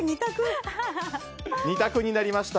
２択になりました。